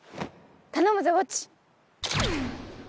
頼むぜウォッチ！